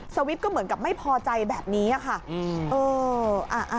สวิตช์ก็เหมือนกับไม่พอใจแบบนี้ค่ะ